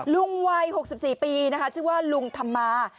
ลุงวัย๖๔ปีนะคะชื่อว่าลุงธรรมา